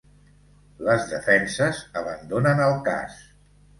Les defenses abandonen el cas